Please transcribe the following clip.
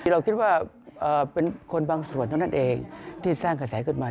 เราคิดว่าเป็นคนบางส่วนเท่านั้นเองที่สร้างกระแสขึ้นมา